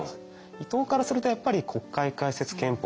伊藤からするとやっぱり国会開設憲法制定。